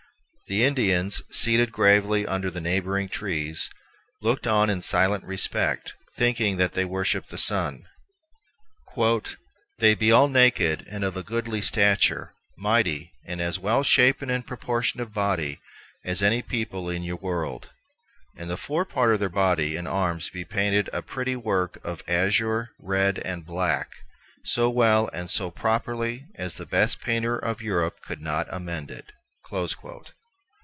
The Indians, seated gravely under the neighboring trees, looked on in silent respect, thinking that they worshipped the sun. "They be all naked and of a goodly stature, mightie, and as well shapen and proportioned of body as any people in ye world; and the fore part of their body and armes be painted with pretie deuised workes, of Azure, red, and blacke, so well and so properly as the best Painter of Europe could not amende it."